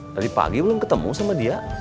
tadi pagi belum ketemu sama dia